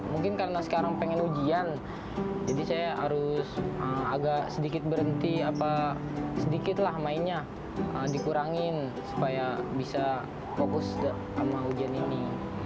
mungkin karena sekarang pengen ujian jadi saya harus agak sedikit berhenti sedikit lah mainnya dikurangin supaya bisa fokus sama ujian ini